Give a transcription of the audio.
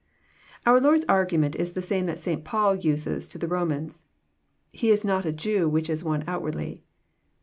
Our Lord's argument is the same that St. Paul uses to the Romans. "He is not a Jew which is one outwardly."